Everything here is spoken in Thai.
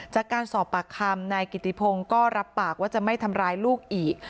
จากการสอบปากคำนายกิติพงศ์ก็รับปากว่าจะไม่ทำร้ายลูกอีก